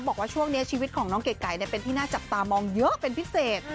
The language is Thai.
บอกว่าช่วงนี้ชีวิตของน้องเก๋ไก่เป็นที่น่าจับตามองเยอะเป็นพิเศษ